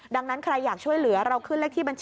ดังนั้นใครอยากช่วยเหลือ